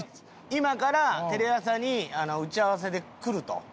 今からテレ朝に打ち合わせで来ると。